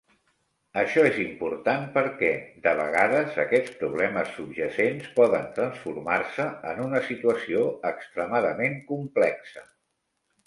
Això és important perquè, de vegades, aquests problemes subjacents poden transformar-se en una situació extremadament complexa.